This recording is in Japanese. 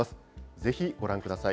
ぜひご覧ください。